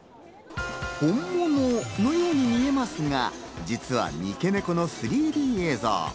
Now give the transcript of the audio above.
本物のように見えますが実は三毛猫の３Ｄ映像。